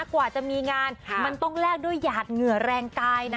กว่าจะมีงานมันต้องแลกด้วยหยาดเหงื่อแรงกายนะ